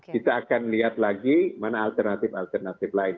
kita akan lihat lagi mana alternatif alternatif lain